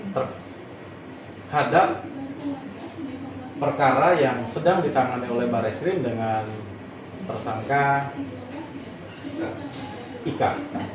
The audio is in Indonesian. terhadap perkara yang sedang ditangani oleh barreskrim dengan tersangka ika